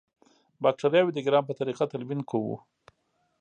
باکټریاوې د ګرام په طریقه تلوین کوو.